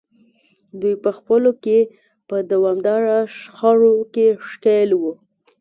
دوی په خپلو کې په دوامداره شخړو کې ښکېل وو.